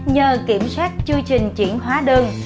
nhờ kiểm soát chư trình chuyển hóa đường